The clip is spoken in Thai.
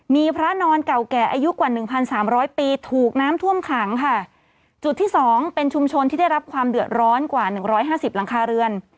มีพระนอนเก่าแก่อายุกว่า๑๓๐๐ปีถูกน้ำท่วมขังจุดที่๒เป็นชุมชนที่ได้รับความเดือดร้อนกว่า๑๕๐หลังคาเรือน